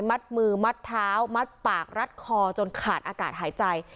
มัดมือมัดเท้ามัดปากรัดคอจนขาดอากาศหายใจ